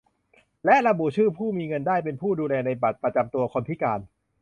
และระบุชื่อผู้มีเงินได้เป็นผู้ดูแลในบัตรประจำตัวคนพิการ